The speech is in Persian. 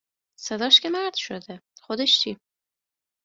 صداش که مرد شده خودش چی